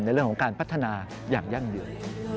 ในเรื่องของการพัฒนาอย่างยั่งยืน